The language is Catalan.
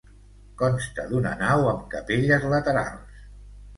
Consta d'una nau amb capelles laterals.